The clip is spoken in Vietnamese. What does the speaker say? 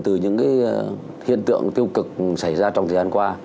từ những hiện tượng tiêu cực xảy ra trong thời gian qua